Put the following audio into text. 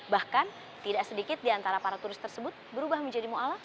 bahkan tidak sedikit diantara para turis tersebut berubah menjadi mu alaf